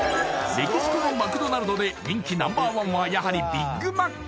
メキシコのマクドナルドで人気Ｎｏ．１はやはりビッグマック！